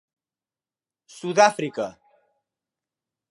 Sud-àfrica.